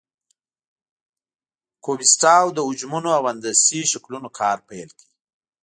کوبیسټاو د حجمونو او هندسي شکلونو کار پیل کړ.